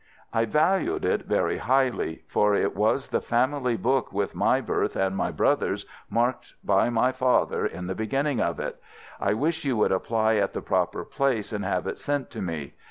I value it very highly, for it was the family book with my birth and my brother's marked by my father in the beginning of it. I wish you would apply at the proper place and have it sent to me.